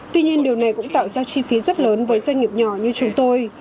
tuy nhiên điều này cũng tạo ra chi phí rất lớn với doanh nghiệp nhỏ như chúng tôi